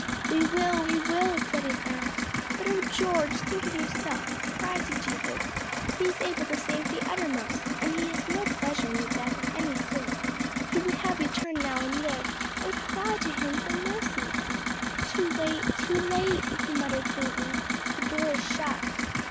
"We will, we will," said his aunt; "but, O George, think of yourself: 'cry to Jesus, he is able to save to the uttermost,' and he has no pleasure in the death of any soul; he would have you turn now and live: oh cry to him for mercy!" "Too late, too late!" he muttered faintly, "the door is shut."